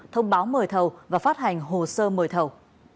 thông báo mời thầu và phát hành hồ sơ mời thầu